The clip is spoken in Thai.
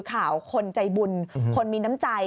ข่าวคนใจบุญคนมีน้ำใจ